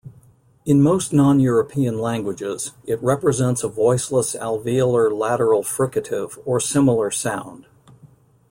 In most non-European languages, it represents a voiceless alveolar lateral fricative or similar sound.